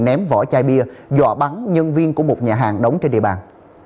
ném vỏ chai bia dọa bắn nhân viên của một nhà hàng đóng trên địa bàn